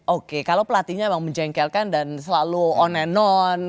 oke kalau pelatihnya memang menjengkelkan dan selalu on and non